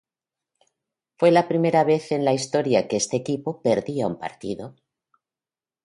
Fue la primera vez en la historia que este equipo perdía un partido.